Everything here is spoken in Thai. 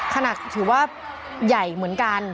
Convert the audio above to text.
ถือว่าใหญ่เหมือนกัน